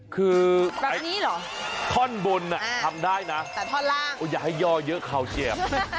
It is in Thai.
คือแบบนี้เหรอท่อนบนทำได้นะแต่ท่อนล่างอย่าให้ย่อเยอะเข่าเสียบ